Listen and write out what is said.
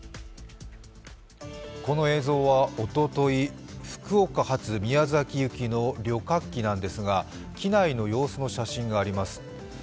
この映像はおととい、福岡発宮崎行きの旅客機なんですが、機内の様子の写真があります。